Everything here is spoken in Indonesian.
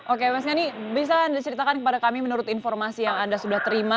oke mas gani bisa anda ceritakan kepada kami menurut informasi yang anda sudah terima